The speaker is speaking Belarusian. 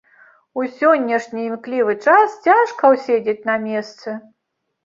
У сённяшні імклівы час цяжка ўседзець на месцы.